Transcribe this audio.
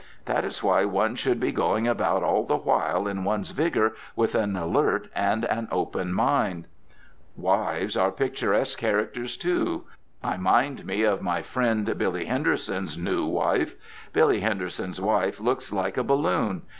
That is why one should be going about all the while in one's vigour with an alert and an open mind. Wives are picturesque characters, too. I mind me of my friend Billy Henderson's new wife. Billy Henderson's wife looks like a balloon.